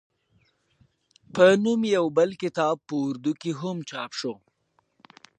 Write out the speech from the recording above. پۀ نوم يو بل کتاب پۀ اردو کښې هم چاپ شو